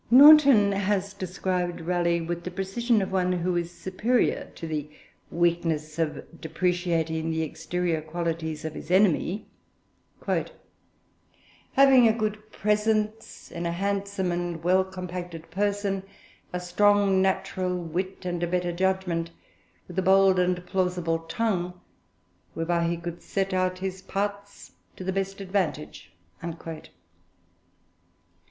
Naunton has described Raleigh with the precision of one who is superior to the weakness of depreciating the exterior qualities of his enemy: 'having a good presence, in a handsome and well compacted person; a strong natural wit, and a better judgment; with a bold and plausible tongue, whereby he could set out his parts to the best advantage.'